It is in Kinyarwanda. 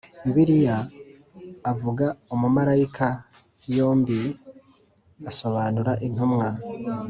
Bibiliya avuga umumarayika yombi asobanura intumwa